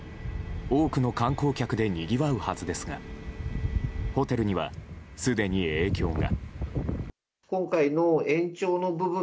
多くの観光客でにぎわうはずですがホテルには、すでに影響が。